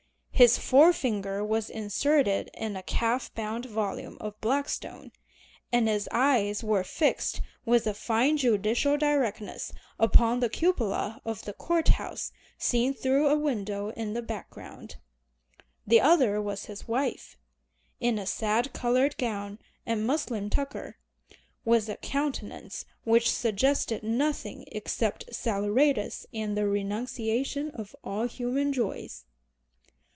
His forefinger was inserted in a calf bound volume of Blackstone, and his eyes were fixed with a fine judicial directness upon the cupola of the court house seen through a window in the background. The other was his wife, in a sad colored gown and muslin tucker, with a countenance which suggested nothing except saleratus and the renunciation of all human joys.